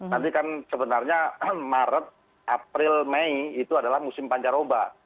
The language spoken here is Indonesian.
nanti kan sebenarnya maret april mei itu adalah musim pancaroba